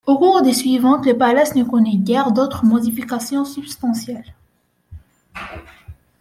Au cours des suivantes, le Palace ne connaît guère d’autres modifications substantielles.